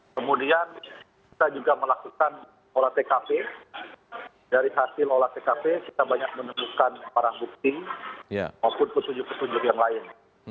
kemudian kita juga melakukan olah tkp dari hasil olah tkp kita banyak menemukan barang bukti maupun petunjuk petunjuk yang lain